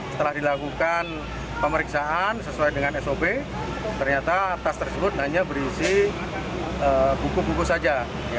setelah dilakukan pemeriksaan sesuai dengan sop ternyata tas tersebut hanya berisi buku buku saja